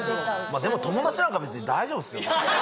でも友達なんか別に大丈夫ですよ。